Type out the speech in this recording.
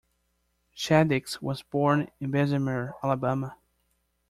Shadix was born in Bessemer, Alabama.